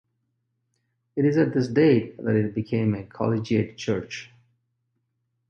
It is at this date that it became a collegiate church.